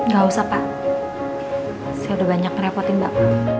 gak usah pak saya udah banyak merepotin mbak